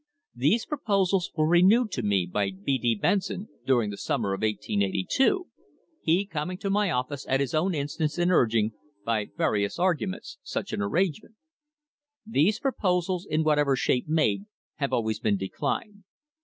These proposals were renewed to me by B. D. Benson during the summer of 1882, he coming to my office at his own instance and urging, by various arguments, such an arrangement. These proposals, in whatever shape made, have always been declined.